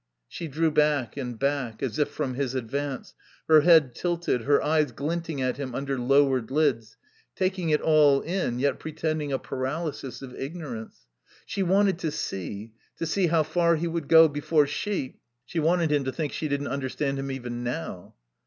She drew back and back, as if from his advance, her head tilted, her eyes glinting at him under lowered lids, taking it all in yet pretending a paralysis of ignorance. She wanted to see to see how far he would go, before she She wanted him to think she didn't understand him even now.